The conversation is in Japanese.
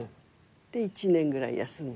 で１年ぐらい休んで。